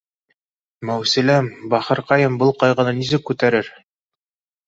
— Мәүсиләм, бахырҡайым был ҡайғыны нисек күтә рер